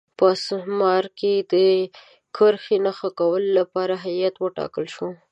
په اسمار کې د کرښې د نښه کولو لپاره هیات وټاکل شو.